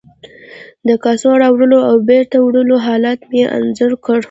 د کاسو راوړلو او بیرته وړلو حالت مې انځور کړ.